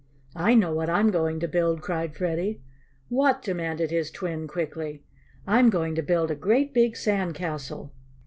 "I know what I'm going to build!" cried Freddie. "What?" demanded his twin quickly. "I'm going to build a great big sand castle."